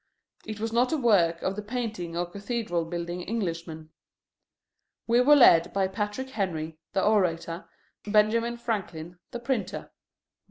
It was not the work of the painting or cathedral building Englishman. We were led by Patrick Henry, the orator, Benjamin Franklin, the printer.